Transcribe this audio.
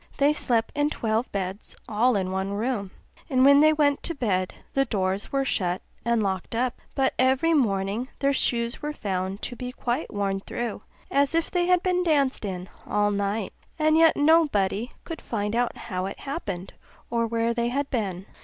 They slept in twelve beds all in one room; and when they went to bed, the doors were shut and locked up; but every morning their shoes were found to be quite worn through as if they had been danced in all night; and yet nobody could find out how it happened, or where they had been.